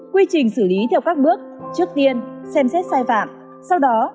quy trình xử lý theo các bước trước tiên xem xét sai phạm sau đó